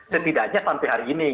setidaknya sampai hari ini